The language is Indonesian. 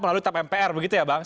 melalui tap mpr begitu ya bang